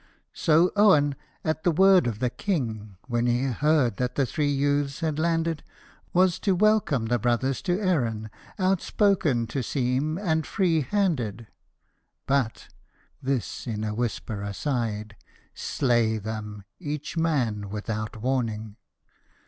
So Eogan, at word of the King, when he heard that the three youths had landed. Was to welcome the brothers to Erinn, outspoken to seem and free handed —* But '— this in a whisper aside —' slay them, each man, without warning.'